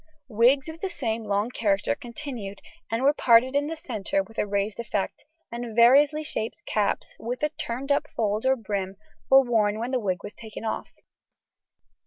Wigs of the same long character continued, and were parted in the centre with a raised effect, and variously shaped caps, with turned up fold or brim, were worn when the wig was taken off.